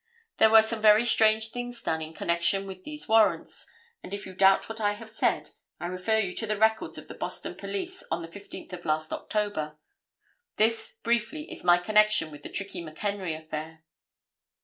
There were some very strange things done in connection with these warrants, and if you doubt what I have said, I refer you to the records of the Boston police on the 15th of last October. This, briefly, is my connection with the Trickey McHenry affair."